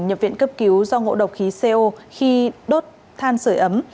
nhập viện cấp cứu do ngộ độc khí co khi đốt than sửa ấm